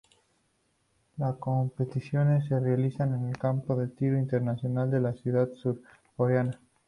Las competiciones se realizaron en el Campo de Tiro Internacional de la ciudad surcoreana.